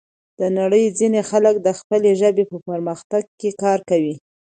د نړۍ ځینې خلک د خپلې ژبې په پرمختګ کې کار کوي.